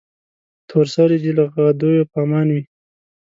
تور سرې دې له غدیو په امان وي.